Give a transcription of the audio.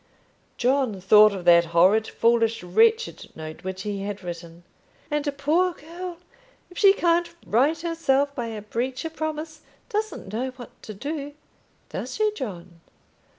John thought of that horrid, foolish, wretched note which he had written. "And a poor girl, if she can't right herself by a breach of promise, doesn't know what to do. Does she, John?"